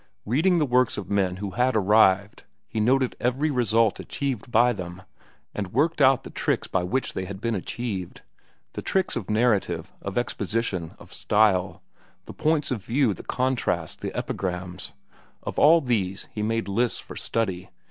Reading the works of men who had arrived, he noted every result achieved by them, and worked out the tricks by which they had been achieved—the tricks of narrative, of exposition, of style, the points of view, the contrasts, the epigrams; and of all these he made lists for study.